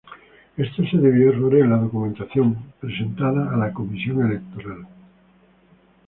Esto se debió a errores en la documentación presentada a la Comisión Electoral.